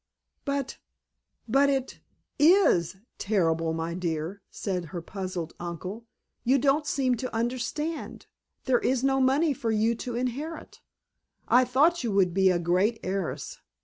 "But—but it is terrible, my dear," said her puzzled uncle. "You don't seem to understand. There is no money for you to inherit. I thought you would be a great heiress.